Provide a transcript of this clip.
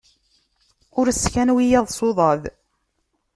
Ur sskan wiyaḍ s uḍaḍ.